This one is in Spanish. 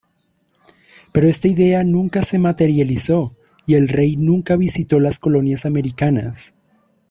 Pero esta idea nunca se materializó y el rey nunca visitó las colonias americanas.